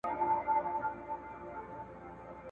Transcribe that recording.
آیا د ښوونځیو د شوراګانو غړي د خلکو لخوا ټاکل کیږي؟